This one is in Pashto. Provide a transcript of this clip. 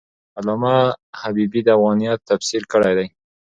علامه حبیبي د افغانیت تفسیر کړی دی.